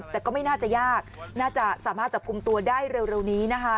แต่ก็ไม่น่าจะยากน่าจะสามารถจับกลุ่มตัวได้เร็วนี้นะคะ